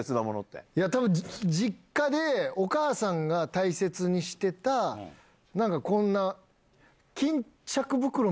たぶん、実家でお母さんが大切にしてた、なんかこんな、巾着袋？